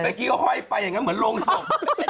เมื่อกี๊เหาะไฮไปเหมือนโรงสม